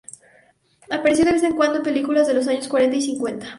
Apareció de vez en cuando en películas de los años cuarenta y cincuenta.